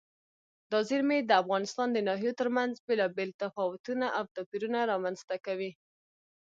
دا زیرمې د افغانستان د ناحیو ترمنځ بېلابېل تفاوتونه او توپیرونه رامنځ ته کوي.